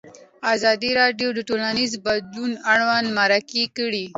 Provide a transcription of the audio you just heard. ازادي راډیو د ټولنیز بدلون اړوند مرکې کړي.